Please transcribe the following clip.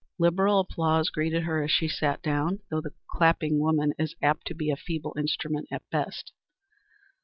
Liberal applause greeted her as she sat down, though the clapping woman is apt to be a feeble instrument at best.